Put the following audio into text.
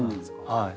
はい。